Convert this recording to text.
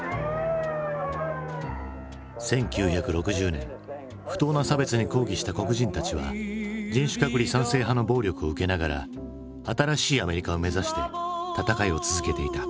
１９６０年不当な差別に抗議した黒人たちは人種隔離賛成派の暴力を受けながら新しいアメリカを目指して闘いを続けていた。